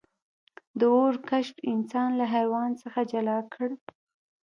د اور کشف انسان له حیوان څخه جلا کړ.